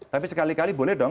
tapi sekali kali boleh dong